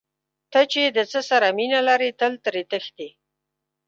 ته چې د څه سره مینه لرې تل ترې تښتې.